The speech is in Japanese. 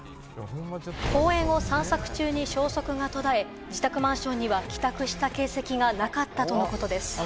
公園を散策中に消息が途絶え、自宅マンションには帰宅した形跡がなかったとのことです。